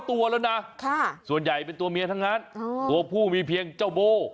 ตัวแล้วนะส่วนใหญ่เป็นตัวเมียทั้งนั้นตัวผู้มีเพียงเจ้าโบ